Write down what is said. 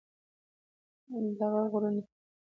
دغه غرونه